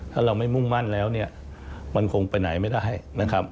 ถ้าเราไม่มุ่งมั่นแล้วเนี่ยมันคงไปไหนไม่ได้นะครับ